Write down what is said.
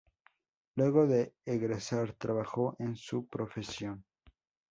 Luego de egresar, trabajó en su profesión.